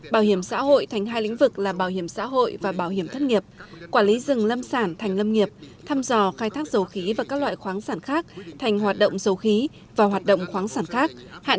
bảo hiểm xã hội thành hai lĩnh vực là bảo hiểm xã hội và bảo hiểm thất nghiệp quản lý rừng lâm sản thành lâm nghiệp thăm dò khai thác dầu khí và các loại khoáng sản khác thành hoạt động dầu khí và hoạt động khoáng sản khác hạn chế cạnh tranh thành cạnh tranh